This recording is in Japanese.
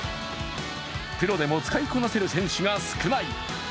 プロでも使いこなせる選手が少ない。